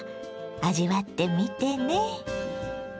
味わってみてね。